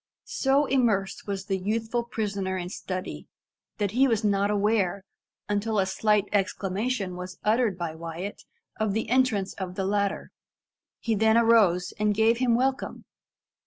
So immersed was the youthful prisoner in study, that he was not aware, until a slight exclamation was uttered by Wyat, of the entrance of the latter. He then arose, and gave him welcome.